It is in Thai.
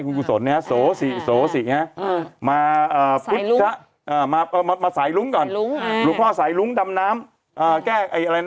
คุณกุศรโศสิพระศักดิ